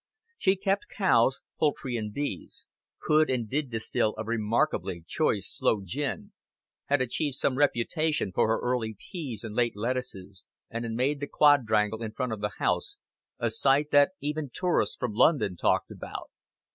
She kept cows, poultry and bees; could and did distil a remarkably choice sloe gin, had achieved some reputation for her early peas and late lettuces, and had made the quadrangle in front of the house a sight that even tourists from London talked about.